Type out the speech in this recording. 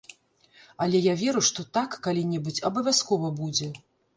Але я веру, што так калі-небудзь абавязкова будзе.